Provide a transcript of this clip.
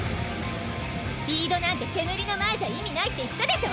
スピードなんて煙の前じゃ意味ないって言ったでしょ